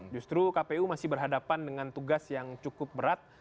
justru kpu masih berhadapan dengan tugas yang cukup berat